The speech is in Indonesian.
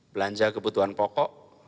belanja kebutuhan pokok